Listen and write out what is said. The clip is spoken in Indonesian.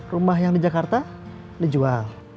rumah yang di jakarta dijual